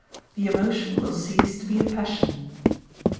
the emotion will cease to be a passion.